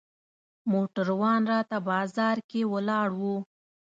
موټروان راته بازار کې ولاړ و.